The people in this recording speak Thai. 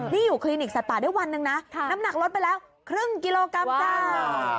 นี่อยู่คลินิกสัตว์ป่าได้วันหนึ่งนะน้ำหนักลดไปแล้วครึ่งกิโลกรัมจ้า